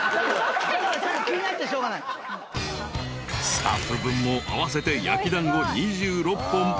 ［スタッフ分も合わせて焼き団子２６本爆買い］